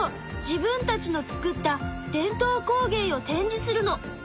自分たちの作った伝統工芸を展示するの。